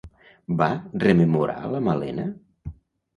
Va rememorar la Malena?